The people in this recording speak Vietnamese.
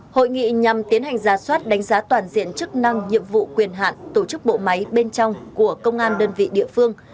hội nghị nhằm tiến hành ra soát đánh giá toàn diện chức năng nhiệm vụ quyền hạn tổ chức bộ máy bên trong của công an đơn vị địa phương